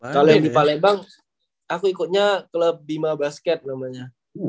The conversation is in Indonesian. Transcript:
kalau yang di palembang aku ikutnya klub bima basket namanya